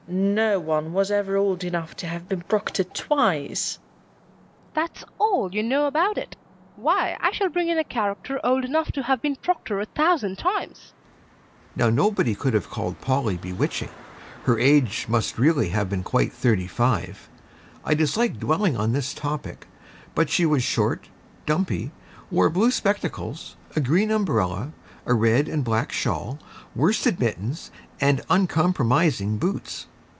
No one was ever old enough to have been Proctor twice. PUBLISHER. That's all you know about it. Why, I shall bring in a character old enough to have been Proctor a thousand times. ED. Now nobody could have called Polly bewitching. Her age must really have been quite thirty five. I dislike dwelling on this topic, but she was short, dumpy, wore blue spectacles, a green umbrella, a red and black shawl, worsted mittens and uncompromising boots.